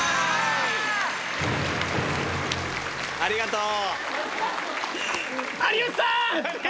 ありがとう。